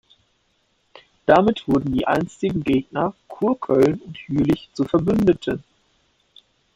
Damit wurden die einstigen Gegner Kurköln und Jülich zu Verbündeten.